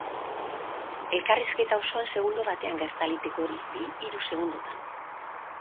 Elkarrizketa osoan segundo batean gerta liteke hori, bi, hiru segundotan.